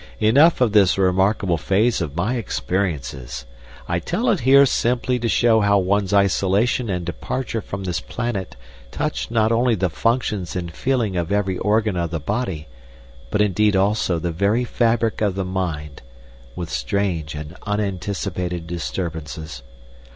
... Enough of this remarkable phase of my experiences! I tell it here simply to show how one's isolation and departure from this planet touched not only the functions and feeling of every organ of the body, but indeed also the very fabric of the mind, with strange and unanticipated disturbances.